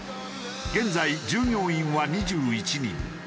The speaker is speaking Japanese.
現在従業員は２１人。